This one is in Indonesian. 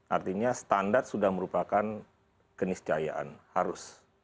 artinya standar sudah merupakan keniscayaan harus